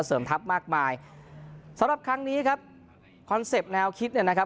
ทัพมากมายสำหรับครั้งนี้ครับคอนเซ็ปต์แนวคิดเนี่ยนะครับ